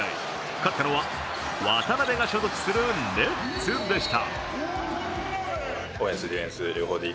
勝ったのは渡邊が所属するネッツでした。